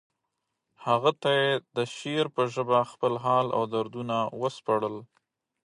هغه ته یې د شعر په ژبه خپل حال او دردونه وسپړل